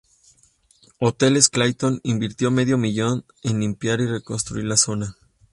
Hoteles Clayton invirtió medio millón en limpiar y reconstruir la zona.